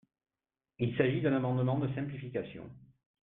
Il s’agit d’un amendement de simplification.